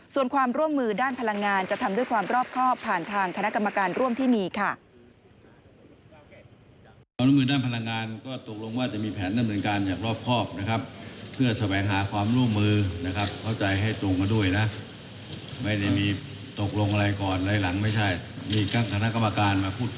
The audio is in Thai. ส่วนความร่วมมือด้านพลังงานจะทำด้วยความรอบครอบผ่านทางคณะกรรมการร่วมที่มีค่ะ